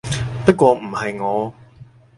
不過唔係我